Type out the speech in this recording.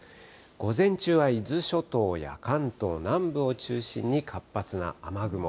午前中は伊豆諸島や関東南部を中心に活発な雨雲。